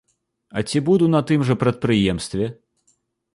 А ці буду на тым жа прадпрыемстве?